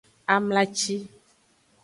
Amlaci.